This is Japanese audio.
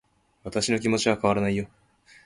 私の気持ちは変わらないよ